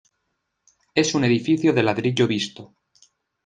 Es un edificio de ladrillo visto.